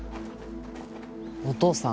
お父さん。